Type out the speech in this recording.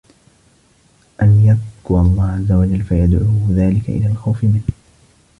أَنْ يَذْكُرَ اللَّهَ عَزَّ وَجَلَّ فَيَدْعُوهُ ذَلِكَ إلَى الْخَوْفِ مِنْهُ